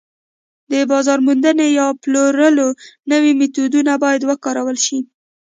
د بازار موندنې یا پلورلو نوي میتودونه باید وکارول شي